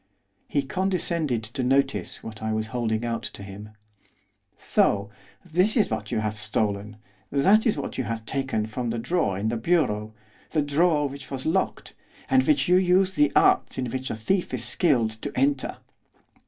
He condescended to notice what I was holding out to him. 'So! that is what you have stolen! That is what you have taken from the drawer in the bureau the drawer which was locked and which you used the arts in which a thief is skilled to enter.